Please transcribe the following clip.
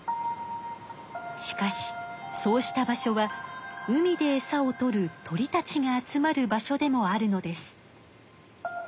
しかしそうした場所は海でえさをとる鳥たちが集まる場所でもあるのです。